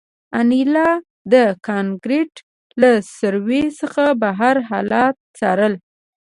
انیلا د کانکریټ له سوریو څخه بهر حالات څارل